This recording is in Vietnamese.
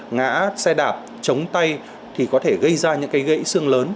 ngã xe đạp chống tay thì có thể gây ra những cái gãy xương lớn